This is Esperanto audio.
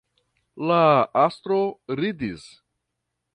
La estro ridis.